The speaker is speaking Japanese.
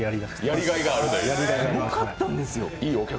もうすごかったんですよ。